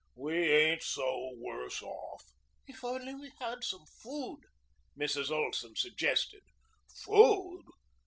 We ain't so worse off." "If we only had some food," Mrs. Olson suggested. "Food!"